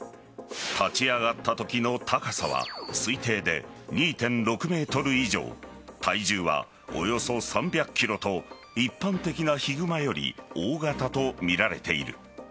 立ち上がったときの高さは推定で２．６ｍ以上体重はおよそ３００ｋｇと一般的なヒグマより大型とみられている。